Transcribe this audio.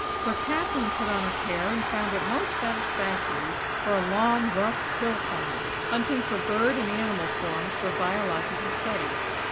But Kathlyn put on a pair and found it most satisfactory for a long, rough hill climb, hunting for bird and animal forms for Biological study.